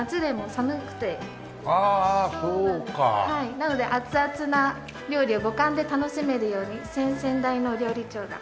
なので熱々な料理を五感で楽しめるように先々代の料理長が考案しました。